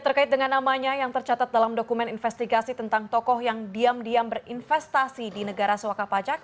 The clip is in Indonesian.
terkait dengan namanya yang tercatat dalam dokumen investigasi tentang tokoh yang diam diam berinvestasi di negara sewaka pajak